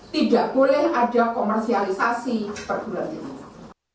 tidak boleh ada komersialisasi perguruan tinggi negeri